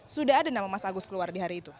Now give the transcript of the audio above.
sudah ada nama mas agus keluar di hari itu